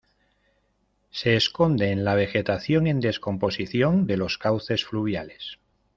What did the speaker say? Se esconde en la vegetación en descomposición de los cauces fluviales.